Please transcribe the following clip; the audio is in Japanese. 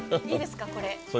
いいですか、これ。